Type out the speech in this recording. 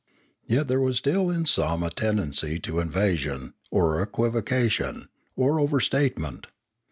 Yet there was still in some a ten dency to evasion, or equivocation, or overstatement.